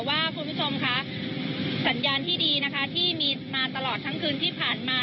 คุณผู้ชมค่ะสัญญาณที่ดีนะคะที่มีมาตลอดทั้งคืนที่ผ่านมา